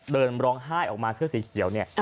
เดินร้องไห้ออกมาเสื้อสีเขียวเนี่ย